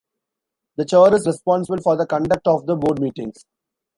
The Chair is responsible for the conduct of the board meetings.